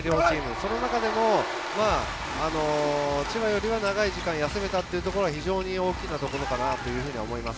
その中でも千葉よりは長い時間休めたというところは、非常に大きなところかなとは思います。